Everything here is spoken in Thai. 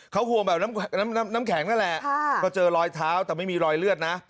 เขาห่วงแบบน้ำแข็งนั่นแหละก็เจอรอยเท้าแต่ไม่มีรอยเลือดนะ